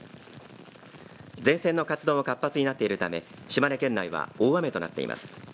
前線の活動が活発になっているため島根県内は大雨となっています。